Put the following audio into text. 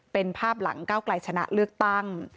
เป็นภาพหลังก้าวไกลชนะเลือกตั้ง